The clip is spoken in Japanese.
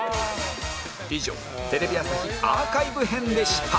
以上テレビ朝日アーカイブ編でした